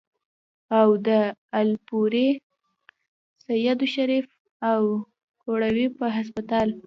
او د الپورۍ ، سېدو شريف ، او کروړې پۀ هسپتال